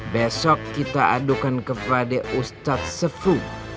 besok kita adukan kepada ustadz sefu